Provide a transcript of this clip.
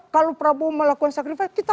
kalau prabowo melakukan segrifat kita